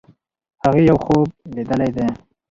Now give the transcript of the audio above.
هغې یو خوب لیدلی دی.